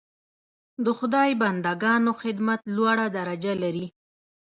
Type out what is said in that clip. د خدای بنده ګانو خدمت لوړه درجه لري.